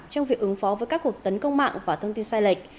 trong việc ứng phó với các cuộc tấn công mạng và thông tin sai lệch